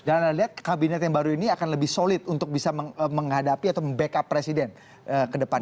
dan anda lihat kabinet yang baru ini akan lebih solid untuk bisa menghadapi atau backup presiden ke depannya